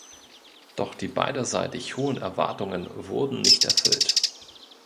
Doch die beiderseitig hohen Erwartungen wurden nicht erfüllt.